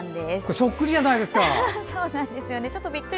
そっくりじゃないですか！